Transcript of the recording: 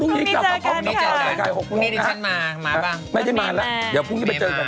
หรือว่าพูดชายก็ไม่ได้สีเรียสไม่เป็นไร